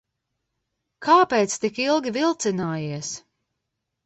Kāpēc tik ilgi vilcinājies?